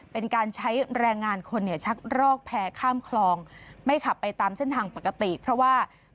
เป็นการใช้แรงงานคนเนี่ยชักรอกแพร่ข้ามคลองไม่ขับไปตามเส้นทางปกติเพราะว่า